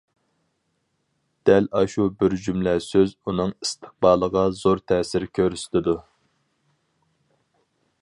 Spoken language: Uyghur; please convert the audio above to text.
دەل ئاشۇ بىر جۈملە سۆز ئۇنىڭ ئىستىقبالىغا زور تەسىر كۆرسىتىدۇ.